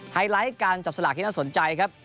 ไลท์การจับสลากที่น่าสนใจครับ